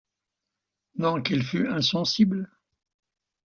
Non qu’elle fût insensible.